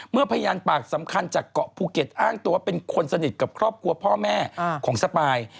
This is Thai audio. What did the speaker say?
พยานปากสำคัญจากเกาะภูเก็ตอ้างตัวเป็นคนสนิทกับครอบครัวพ่อแม่ของสปาย